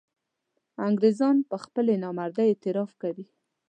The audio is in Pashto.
انګرېزان پر خپلې نامردۍ اعتراف کوي.